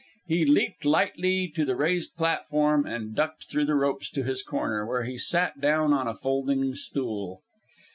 He leaped lightly to the raised platform and ducked through the ropes to his corner, where he sat down on a folding stool.